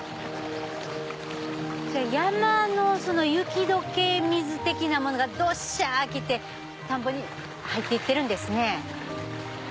山の雪解け水的なものがドシャ来て田んぼに入っていってるんですね。